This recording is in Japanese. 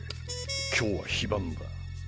今日は非番だ。